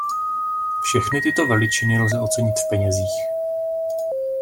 Všechny tyto veličiny lze ocenit v penězích.